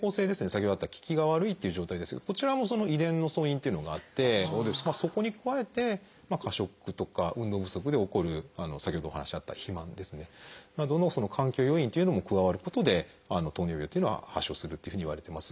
先ほどあった効きが悪いという状態ですがこちらも遺伝の素因というのがあってそこに加えて過食とか運動不足で起こる先ほどお話にあった肥満などの環境要因というのも加わることで糖尿病というのは発症するというふうにいわれてます。